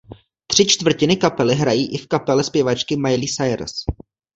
Tři čtvrtiny kapely hrají i v kapele zpěvačky Miley Cyrus.